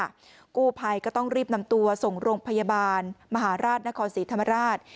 กู้ภัยก็ต้องรีบนำตัวส่งโรงพยาบาลมหาราชนครศรีธรรมราช